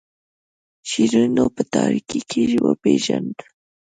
شیرینو په تاریکۍ کې وپیژاند.